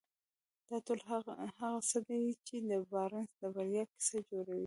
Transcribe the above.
دا ټول هغه څه دي چې د بارنس د بريا کيسه جوړوي.